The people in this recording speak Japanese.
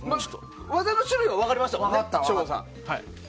技の種類は分かりましたもんね。